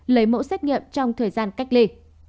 lấy mẫu xét nghiệm trong thời gian cách ly